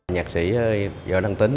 nhạc sĩ võ đăng tín